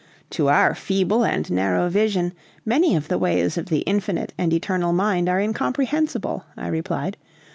"To our feeble and narrow vision many of the ways of the Infinite and Eternal Mind are incomprehensible," I replied.